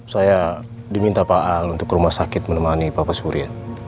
saya diminta pak al untuk ke rumah sakit menemani bapak surya